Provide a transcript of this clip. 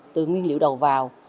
từ nguyên liệu đầu vào